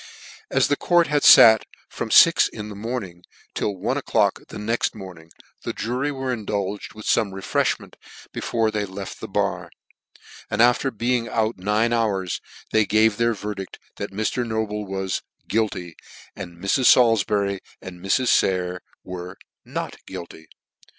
As the court had fat from fix o'clock in the morning, till one o'clock the next morning, the jury were indulged with fome refrefhment before they left the bar , and after being out nine hours, they gave their verdict that Mr. Noble was " Guilty," and Mrs. Salifbury and Mrs. Sayer were " Not guilty."